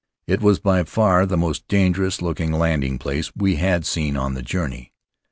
It was by far the most dangerous looking landing place we had seen on the journey.